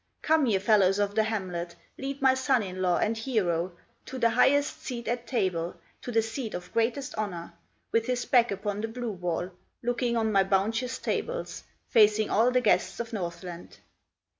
"Come, ye fellows of the hamlets, Lead my son in law and hero To the highest seat at table, To the seat of greatest honor, With his back upon the blue wall, Looking on my bounteous tables, Facing all the guests of Northland."